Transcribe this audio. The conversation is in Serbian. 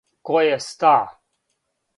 Ко је ста?